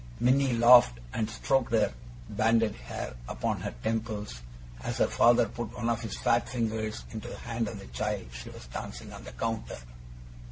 Minnie laughed, and stroked her banded hair upon her temples, as her father put one of his fat fingers into the hand of the child she was dancing on the counter.